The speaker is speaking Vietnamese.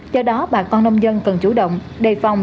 do đó bà con nông dân cần chủ động đề phòng